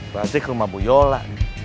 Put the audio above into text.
ke aceh ke rumah bu yola